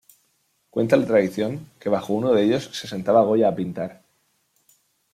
Cuenta la tradición que bajo uno de ellos se sentaba Goya a pintar.